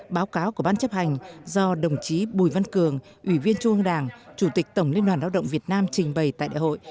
báo cáo của ban chấp hành do đồng chí bùi văn cường ủy viên trung ương đảng chủ tịch tổng liên đoàn lao động việt nam trình bày tại đại hội